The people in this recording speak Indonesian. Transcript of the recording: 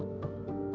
ketika berada di kota